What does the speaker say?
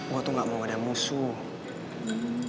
wah tuh gak mau ada musuh